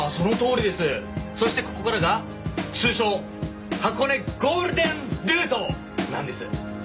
そしてここからが通称箱根ゴールデンルートなんです。